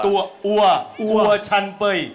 กลัวอัวชันเป้ย